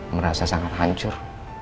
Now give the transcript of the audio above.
merasa sangat hancur